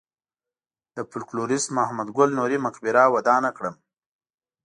د فولکلوریست محمد ګل نوري مقبره ودانه کړم.